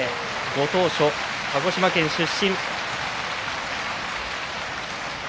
ご当所、鹿児島県出身。